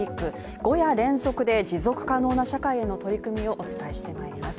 五夜連続で持続可能な社会への取り組みをお伝えしてまいります。